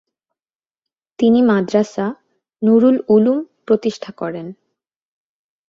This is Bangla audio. তিনি মাদ্রাসা নুরুল উলুম প্রতিষ্ঠা করেন।